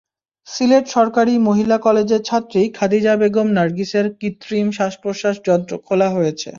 সিলেট সরকারি মহিলা কলেজের ছাত্রী খাদিজা বেগম নার্গিসের কৃত্রিম শ্বাসপ্রশ্বাস যন্ত্র খোলা হয়েছে।